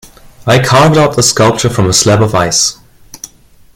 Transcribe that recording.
I carved out this sculpture from a slab of Ice.